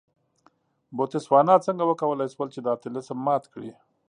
بوتسوانا څنګه وکولای شول چې دا طلسم مات کړي.